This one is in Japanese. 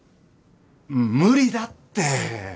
無理だって。